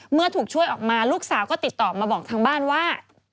เมื่อถูกช่วยออกมาลูกสาวก็ติดต่อมาบอกทางบ้านว่า